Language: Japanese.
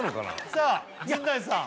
さあ陣内さん